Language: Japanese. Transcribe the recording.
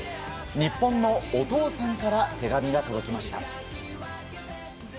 日本のお父さんから手紙が届きました。